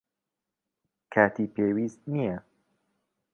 کاتی پێویست نییە.